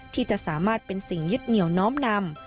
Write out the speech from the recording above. ที่จะสามารถเป็นสิ่งยึดเหนียวน้อมนำ